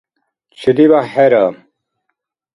ЧедибяхӀ хӀеръа.